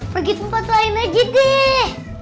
pergi tempat lain lagi deh